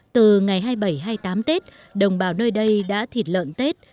từ ngày hai mươi bảy hai mươi tám tết đồng bào nơi đây đã thịt lợn tết